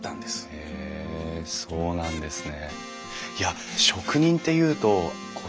へえそうなんですね。